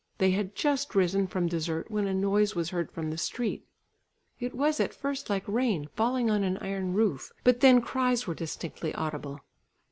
They had just risen from dessert when a noise was heard from the street; it was at first like rain falling on an iron roof, but then cries were distinctly audible.